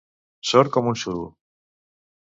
Sord com un suro.